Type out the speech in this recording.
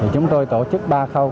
chúng tôi tổ chức ba khâu